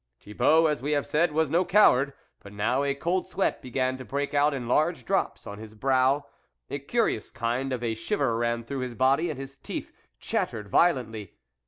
Thibault, as we have said, was no coward, but now a cold sweat began to break out in large drops on his brow, a THE WOLF LEADER curious kind of a shiver ran through his body, and his teeth chattered violently.